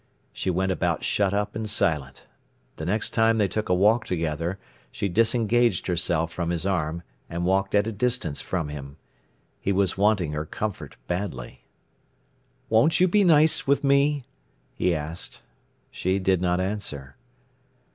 She went about shut up and silent. The next time they took a walk together, she disengaged herself from his arm, and walked at a distance from him. He was wanting her comfort badly. "Won't you be nice with me?" he asked. She did not answer.